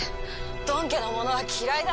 ドン家の者は嫌いだ！